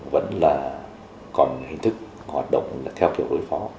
vẫn là còn hình thức hoạt động là theo kiểu đối phó